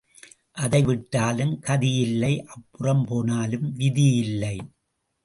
அதை விட்டாலும் கதி இல்லை அப்புறம் போனாலும் விதி இல்லை.